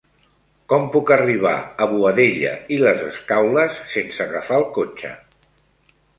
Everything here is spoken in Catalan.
Com puc arribar a Boadella i les Escaules sense agafar el cotxe?